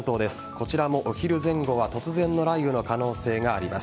こちらもお昼前後は突然の雷雨の可能性があります。